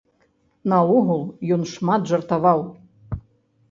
Наогул ён шмат жартаваў.